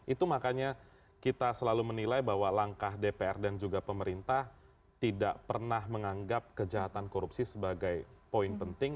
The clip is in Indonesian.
itu makanya kita selalu menilai bahwa langkah dpr dan juga pemerintah tidak pernah menganggap kejahatan korupsi sebagai poin penting